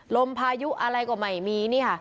ลมพายุอะไรกว่าใหม่มีเนี่ยค่ะ